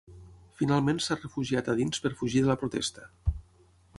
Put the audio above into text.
Finalment s’ha refugiat a dins per fugir de la protesta.